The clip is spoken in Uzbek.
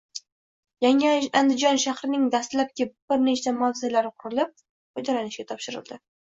Yangi Andijon shahrining dastlabki bir nechta mavzelari qurilib, foydalanishga topshiriladi.